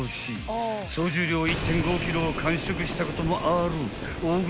［総重量１．５ｋｇを完食したこともある］